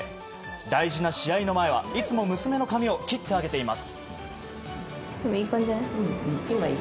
大事な試合の前はいつも娘の髪を切ってあげています。